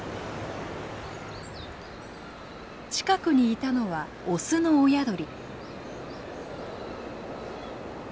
近くにいたのは雄の親鳥。